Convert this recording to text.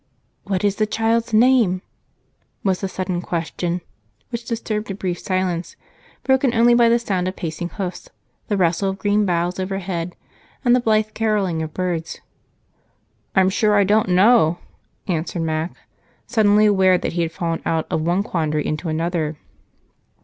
"What is the child's name?" was the sudden question which disturbed a brief silence, broken only by the sound of pacing hoofs, the rustle of green boughs overhead, and the blithe caroling of birds. "I'm sure I don't know," answered Mac, suddenly aware that he had fallen out of one quandary into another.